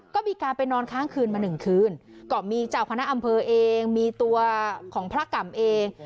ก็มีการไปนอนค้างคืนมาหนึ่งคืนก็มีเจ้าคณะอำเภอเองมีตัวของพระกรรมเอง